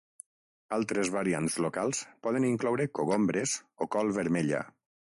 Altres variants locals poden incloure cogombres o col vermella.